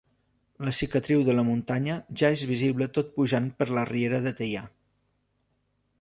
La cicatriu de la muntanya ja és visible tot pujant per la riera de Teià.